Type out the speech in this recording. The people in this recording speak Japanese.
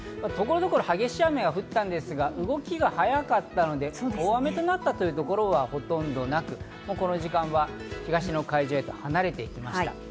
所々、激しい雨が降ったんですが、動きが早かったので大雨となったという所はほとんどなく、この時間は東の海上へと離れて行きました。